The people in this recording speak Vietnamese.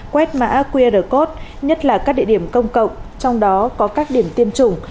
quét mã qr code nhất là các địa điểm công cộng trong đó có các điểm tiêm chủng